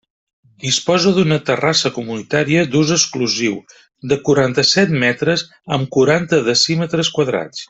Disposa d'una terrassa comunitària d'ús exclusiu de quaranta-set metres amb quaranta decímetres quadrats.